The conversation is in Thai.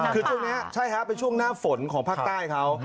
คือช่วงนี้ใช่ครับเป็นช่วงหน้าฝนของภาคใต้เขา